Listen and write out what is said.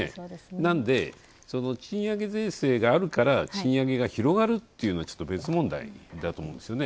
なので、賃上げ税制があるから賃上げが広がるっていうのは別問題だと思うんですよね。